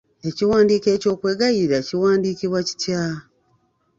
Ekiwandiiko ky'okwegayirira kiwandiikibwa kitya?